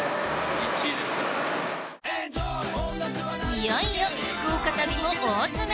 いよいよ福岡旅も大詰め！